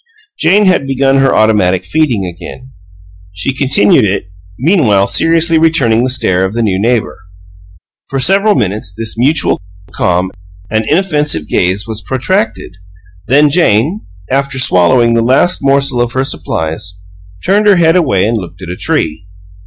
Jane had begun her automatic feeding again. She continued it, meanwhile seriously returning the stare of the new neighbor. For several minutes this mutual calm and inoffensive gaze was protracted; then Jane, after swallowing the last morsel of her supplies, turned her head away and looked at a tree.